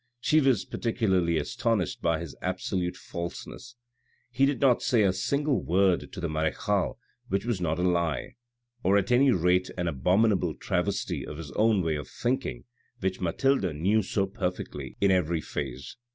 She was particularly astonished by his absolute falseness. He did not say a single word to the marechale which was not a lie, or at any rate, an abominable travesty of his own way of thinking, which Mathilde knew so perfectly in every phase.